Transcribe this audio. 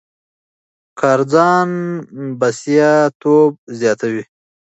کار ځان بسیا توب زیاتوي.